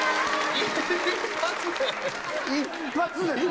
一発ですよ。